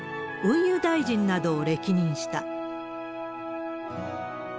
運輸大臣などを歴任した。